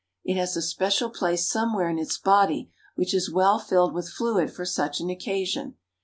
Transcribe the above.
It has a special place somewhere in its body which is well filled with fluid for such an occasion.